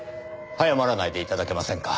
早まらないで頂けませんか。